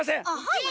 はい。